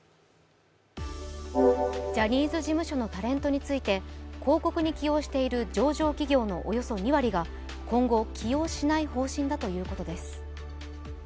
ジャニーズ事務所のタレントについて広告に起用している上場企業のおよそ２割が今後、起用しない方針だということです。